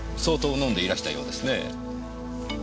相当飲んでいらしたようですねぇ。